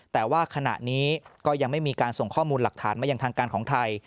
แต่ว่าขณะนี้ก็ยังไม่มีการส่งข้อมูลหลักฐานมายังทางการของไทย